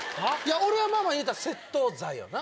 俺はいうたら窃盗罪よな。